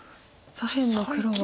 左辺の黒は。